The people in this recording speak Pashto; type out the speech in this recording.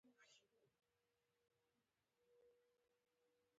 مړ شو افغانپور خو آرمانونه یې لا پاتی دي